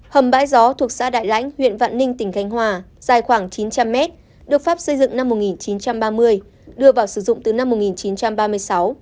hầm bãi gió thuộc xã đại lãnh huyện vạn ninh tỉnh khánh hòa dài khoảng chín trăm linh mét được phép xây dựng năm một nghìn chín trăm ba mươi đưa vào sử dụng từ năm một nghìn chín trăm ba mươi sáu